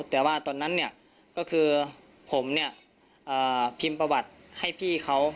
แต่ว่าตอนนั้นก็คือผมเนี่ยพิมพ์ประวัติให้พี่เขา